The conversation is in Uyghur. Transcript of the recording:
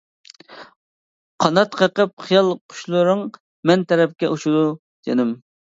قانات قېقىپ خىيال قۇشلىرىڭ، مەن تەرەپكە ئۇچىدۇ جېنىم.